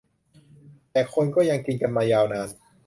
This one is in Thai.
แต่คนก็ยังกินกันมายาวนาน